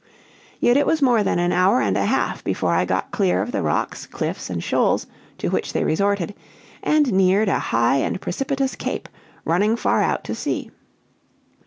Yet it was more than an hour and a half before I got clear of the rocks, cliffs, and shoals to which they resorted, and neared a high and precipitous cape, running far out to sea.